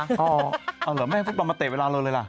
หรือไม่ให้ฟุตบอลมาเตะเวลาเลยล่ะ